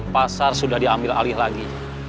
pasar sudah diambil alih lagi